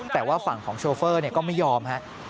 แต่ว่าฝั่งของโชเฟอร์ก็ไม่ยอมฮะ